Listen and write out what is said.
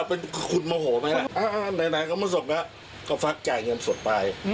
เป็นคุณโมโหไหมล่ะไหนก็ไม่ส่งแล้วก็ฟักจ่ายเงินสดไป